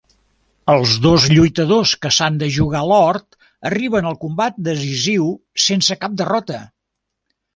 Els dos lluitadors que s'han de jugar l'or arrien al combat decisiu sense cap derrota.